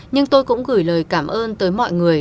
nhưng tôi cũng gửi lời cảm ơn tới mọi người